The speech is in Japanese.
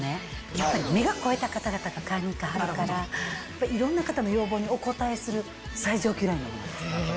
やっぱり目が肥えた方々が買いに行かはるからいろんな方の要望にお応えする最上級ラインのものです。